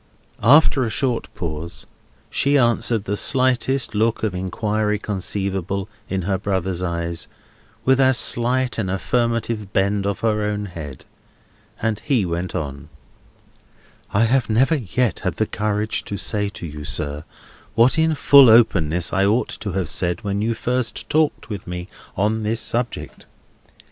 After a short pause, she answered the slightest look of inquiry conceivable, in her brother's eyes, with as slight an affirmative bend of her own head; and he went on: "I have never yet had the courage to say to you, sir, what in full openness I ought to have said when you first talked with me on this subject.